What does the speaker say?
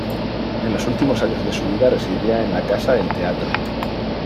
En los últimos años de su vida residía en la Casa del Teatro.